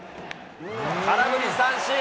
空振り三振。